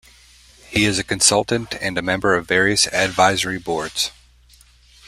He is a consultant and a member of various Advisory Boards.